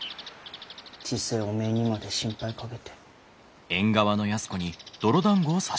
小せえおめえにまで心配かけて。